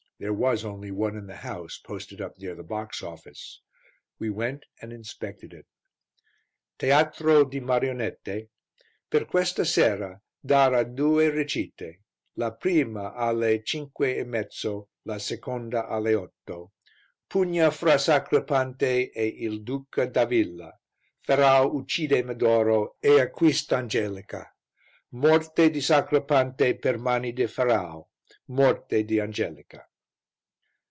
There was only one in the house, posted up near the box office; we went and inspected it TEATRO DI MARIONETTE. Per questa sera dara 2 recite la prima alle 5.5 la seconda alle 8 Pugna fra Sacripante e il Duca d'Avilla Ferrau uccide Medoro e acquista Angelica Morte di Sacripante per mani di Ferrau Morte di Angelica.